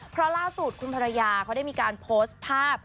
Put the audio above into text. เพราะล่าสุดคุณภรรยาเขาได้มีการโพสต์ภาพ